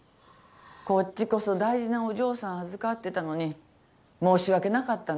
こっちこそ大事なお嬢さんを預かってたのに申し訳なかったね。